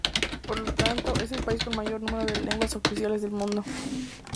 Por lo tanto, es el país con mayor número de lenguas oficiales del mundo.